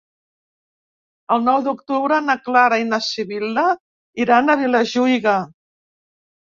El nou d'octubre na Clara i na Sibil·la iran a Vilajuïga.